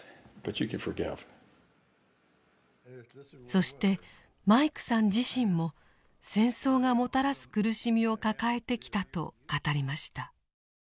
そしてマイクさん自身も戦争がもたらす苦しみを抱えてきたと語りました。